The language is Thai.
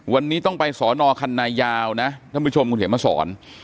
วันนี้ต้องไปสอนอคันนายาวนะท่านผู้ชมคุณเขียนมาสอน